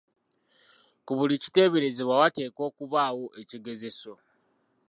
Ku buli kiteeberezebwa wateekwa okubaawo ekigezeso.